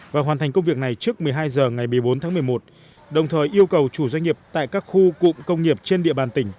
và hoàn thành công việc này trước một mươi hai h ngày một mươi bốn tháng một mươi một đồng thời yêu cầu chủ doanh nghiệp tại các khu cụm công nghiệp trên địa bàn tỉnh